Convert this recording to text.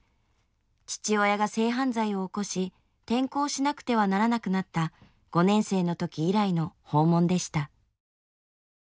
父親が性犯罪を起こし転校しなくてはならなくなった５年生の時以来の訪問でした。